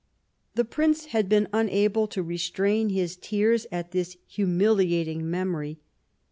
The Prince had been unable to restrain his tears at this humiUating memory.